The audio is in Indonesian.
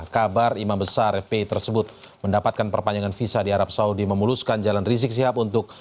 kabar imam besar fpi tersebut mendapatkan perpanjangan visa di arab saudi memuluskan jalan rizik sihab untuk